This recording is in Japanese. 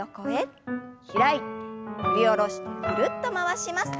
開いて振り下ろしてぐるっと回します。